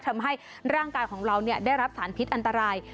ทำให้ร่างกายของเราได้รับสารพิษอันตราย